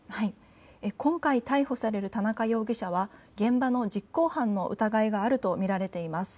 今回、逮捕されたされる田中容疑者は現場の実行犯の疑いがあると見られています。